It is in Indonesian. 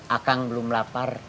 akang belum lapar